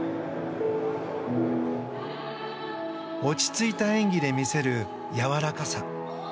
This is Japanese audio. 落ち着いた演技で魅せるやわらかさ。